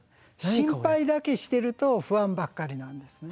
心配だけしてると不安ばっかりなんですね。